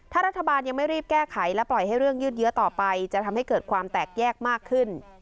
ถ้ารัฐบาลยังไม่รีบแก้ไขและปล่อยให้เรื่องยืดเยอะต่อไปจะทำให้เกิดความแตกแยกมากขึ้น